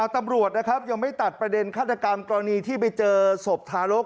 ตำรวจนะครับยังไม่ตัดประเด็นฆาตกรรมกรณีที่ไปเจอศพทารก